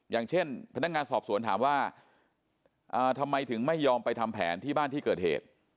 อย่างเช่นพนักงานสอบสวนถามว่าทำไมถึงไม่ยอมไปทำแผนที่บ้านที่เกิดเหตุ